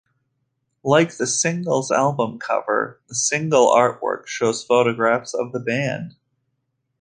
Like the "Singles" album cover, the single artwork shows photographs of the band.